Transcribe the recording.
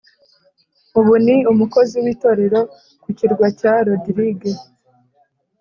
Ubu ni umukozi w itorero ku kirwa cya Rodirige